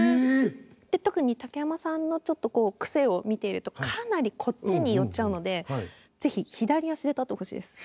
特に竹山さんのちょっと癖を見てるとかなりこっちに寄っちゃうので左足で立つ？